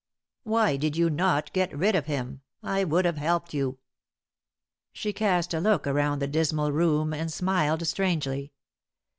"Why did you not get rid of him? I would have helped you." She cast a look around the dismal room and smiled strangely.